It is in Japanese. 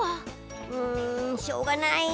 んしょうがない。